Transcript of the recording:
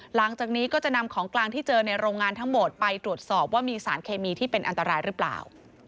หลังจากนี้ก็จะนำของกลางที่เจอในโรงงานทั้งหมดไปตรวจสอบว่ามีสารเคมีที่เป็นอันตรายหรือเปล่า